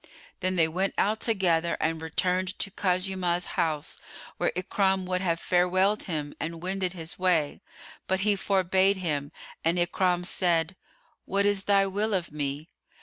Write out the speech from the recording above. Then they went out together and returned to Khuzaymah's house, where Ikrimah would have farewelled him and wended his way; but he forbade him and Ikrimah said, "What is thy will of me?"